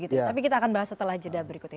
tapi kita akan bahas setelah jeda berikutnya